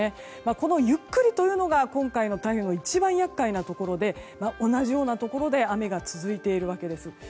このゆっくりというのが今回の台風の一番厄介なところで同じようなところで雨が続いているわけです。